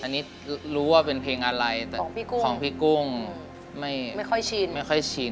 อันนี้รู้ว่าเป็นเพลงอะไรแต่ของพี่กุ้งไม่ค่อยชินไม่ค่อยชิน